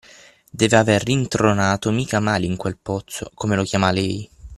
Deve aver rintronato mica male in quel pozzo, come lo chiama lei.